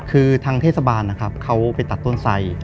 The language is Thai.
คือทางเทศบาลนะครับเขาไปตัดต้นไส